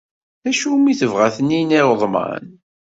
D acu umi tebɣa Taninna iɣeḍmen?